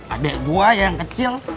adek gue yang kecil